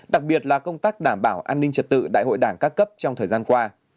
đặc biệt là công tác đảm bảo an ninh trật tự đại hội đảng các cấp trong thời gian qua